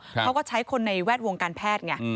เขาก็ใช้คนในแวดวงการแพทย์ไง